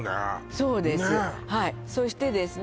そうですはいそしてですね